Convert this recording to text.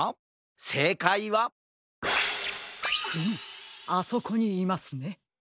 せいかいはフムあそこにいますね。